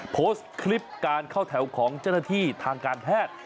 โพสต์คลิปการเข้าแถวของเจ้าหน้าที่ทางการแพทย์